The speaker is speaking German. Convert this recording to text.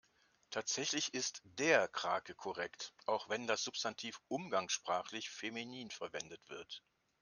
Tatsächlich ist der Krake korrekt, auch wenn das Substantiv umgangssprachlich feminin verwendet wird.